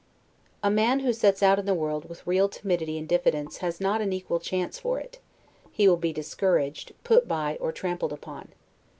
A man who sets out in the world with real timidity and diffidence has not an equal chance for it; he will be discouraged, put by, or trampled upon.